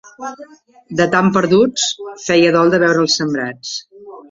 De tan perduts, feia dol de veure els sembrats.